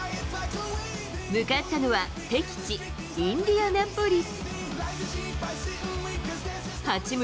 向かったのは敵地、インディアナポリス。